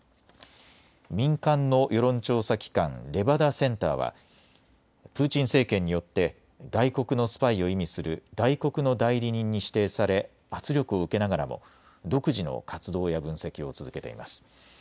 民間の世論調査機関、レバダセンターはプーチン政権によって外国のスパイを意味する外国の代理人に指定され圧力を受けながらも独自の活動や分析を続けています。